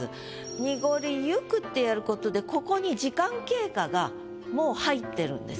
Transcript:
「濁りゆく」ってやる事でここにもう入ってるんです。